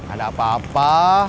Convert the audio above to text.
ada apa apa